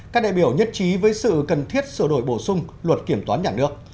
các đại biểu nhất trí với sự cần thiết sửa đổi bổ sung luật kiểm toán nhà nước